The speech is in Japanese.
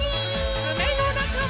つめのなかも。